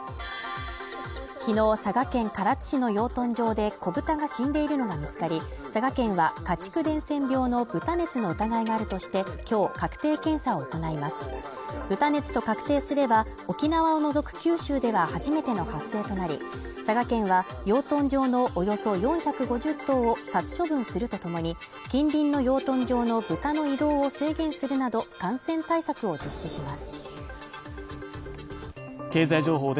昨日、佐賀県唐津市の養豚場で子豚が死んでいるのが見つかり佐賀県は家畜伝染病の豚熱の疑いがあるとしてきょう確定検査を行います豚熱と確定すれば沖縄を除く九州では初めての発生となり佐賀県は養豚場のおよそ４５０頭を殺処分するとともに近隣の養豚場の豚の移動を制限するなど感染策を実施します